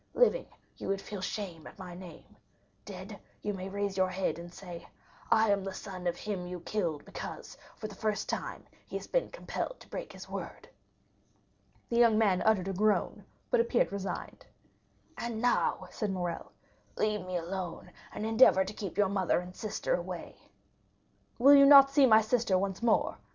Living, you would feel shame at my name; dead, you may raise your head and say, 'I am the son of him you killed, because, for the first time, he has been compelled to break his word.'" The young man uttered a groan, but appeared resigned. "And now," said Morrel, "leave me alone, and endeavor to keep your mother and sister away." "Will you not see my sister once more?"